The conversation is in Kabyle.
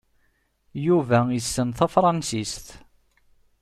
Yuba issen tafṛansist.